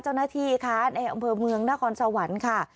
เจ้าหน้าที่คะในอำเภอเมืองนครสวรรค์ค่ะ